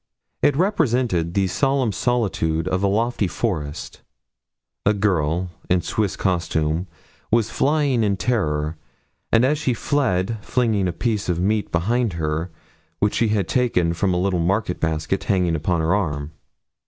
It represented the solemn solitude of a lofty forest; a girl, in Swiss costume, was flying in terror, and as she fled flinging a piece of meat behind her which she had taken from a little market basket hanging upon her arm.